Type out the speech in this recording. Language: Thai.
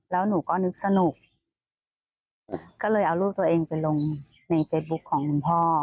แล้วหนูก็นึกสนุกก็เลยเอาลูกตัวเองไปลงในเฟซบุ๊คของคุณพ่อ